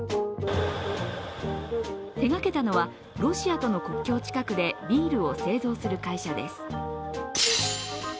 手がけたのは、ロシアとの国境近くでビールを製造する会社です。